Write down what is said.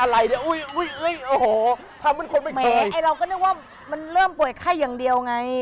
ไหมเราก็นึกว่ามันเริ่มป่วยไห้อย่างเดียวไง